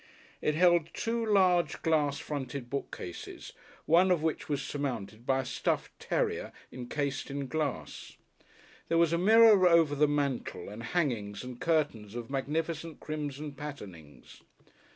It held two large glass fronted bookcases, one of which was surmounted by a stuffed terrier encased in glass. There was a mirror over the mantel and hangings and curtains of magnificent crimson patternings.